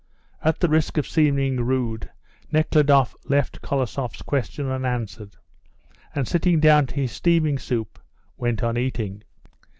At the risk of seeming rude, Nekhludoff left Kolosoff's question unanswered, and sitting down to his steaming soup, went on eating.